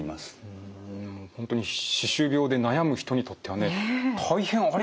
ほんとに歯周病で悩む人にとってはね大変ありがたい話ですよね。